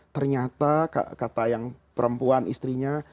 ternyata kata yang perempuan istrinya